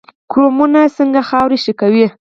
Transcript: کرمونه څنګه خاوره ښه کوي؟